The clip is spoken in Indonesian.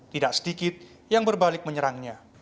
tidak sedikit yang berbalik menyerangnya